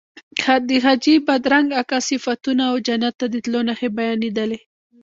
د حاجي بادرنګ اکا صفتونه او جنت ته د تلو نښې بیانېدلې.